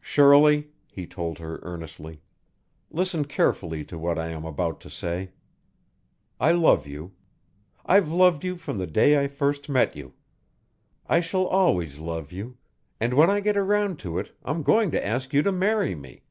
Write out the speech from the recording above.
"Shirley," he told her earnestly, "listen carefully to what I am about to say: I love you. I've loved you from the day I first met you. I shall always love you; and when I get around to it, I'm going to ask you to marry me.